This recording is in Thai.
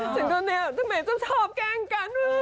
จังกว่าเนี่ยทำไมจะชอบแกล้งกัน